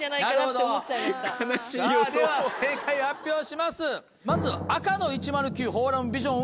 では正解を発表します。